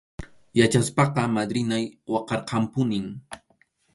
Yachaspaqa madrinay waqarqanpunim.